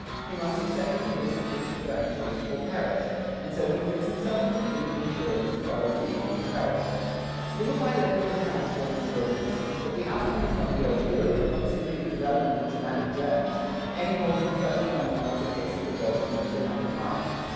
He must accept the conditions which it furnishes, or perish, and so he fits himself into the Indian clearings and follows the Indian trails. Little by little he transforms the wilderness, but the outcome is not the old Europe, not simply the development of Germanic germs, any more than the first phenomenon was a case of reversion to the Germanic mark.